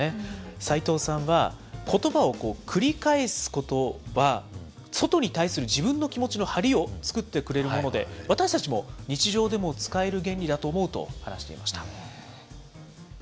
齋藤さんは、ことばを繰り返すことは、外に対する自分の気持ちの張りを作ってくれるもので、私たちも日常でも使える原理だと思うと話していました。